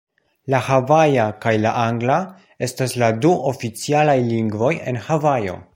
La havaja kaj la angla estas la du oficialaj lingvoj en Havajo.